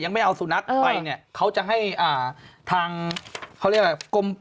ยังไม่เอาสุนัขไปเนี่ยเขาจะให้ทางเขาเรียกว่า